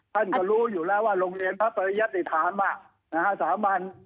ท่านก็รู้อยู่แล้วว่าโรงเรียนพระปริยติธรรมสาบัน